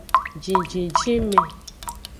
Jinjinjinme.